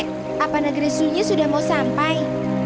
kakek apa negeri sunyi sudah mau sampai